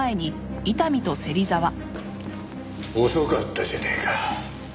遅かったじゃねえか。